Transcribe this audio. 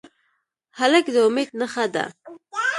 هلک د امید نښه ده.